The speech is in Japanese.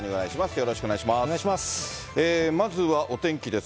よろしくお願いします。